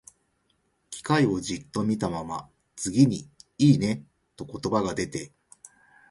機械をじっと見たまま、次に、「いいね」と言葉が出て、